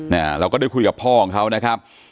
เราก็ได้คุยกับพ่อของเขานะครับ